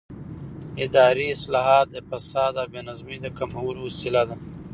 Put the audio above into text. اداري اصلاحات د فساد او بې نظمۍ د کمولو وسیله دي